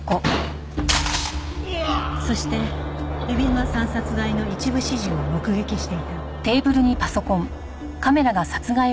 そして海老沼さん殺害の一部始終を目撃していた。